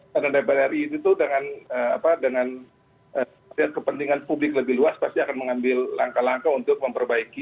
karena dpr ri itu dengan kepentingan publik lebih luas pasti akan mengambil langkah langkah untuk memperbaiki